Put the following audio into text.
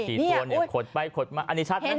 ตัวเนี่ยขดไปขดมาอันนี้ชัดไหม